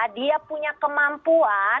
dia punya kemampuan